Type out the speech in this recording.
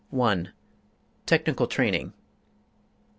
1. Technical Training.